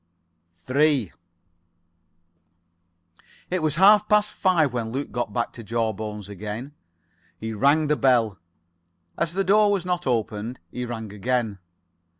3 It was half past five when Luke got back to Jawbones again. He rang the bell. As the door was not opened, he rang again.